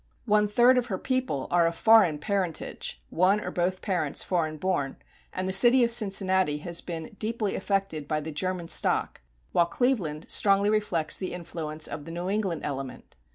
One third of her people are of foreign parentage (one or both parents foreign born), and the city of Cincinnati has been deeply affected by the German stock, while Cleveland strongly reflects the influence of the New England element.